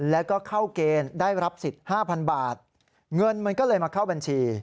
แล้วก็เข้าเกณฑ์ได้รับสิทธิ์๕๐๐บาทเงินมันก็เลยมาเข้าบัญชี